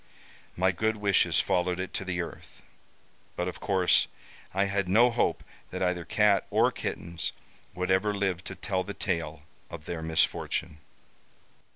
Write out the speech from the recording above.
My good wishes followed it to the earth, but of course, I had no hope that either cat or kittens would ever live to tell the tale of their misfortune.